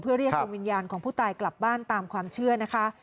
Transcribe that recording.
เรียกดวงวิญญาณของผู้ตายกลับบ้านตามความเชื่อนะคะ